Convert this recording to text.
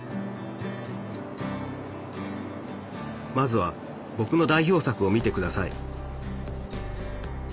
まずはぼくの代表作を見てください